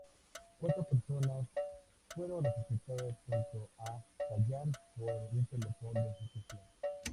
Cuatro personas fueron ejecutadas junto con Callan por un pelotón de ejecución.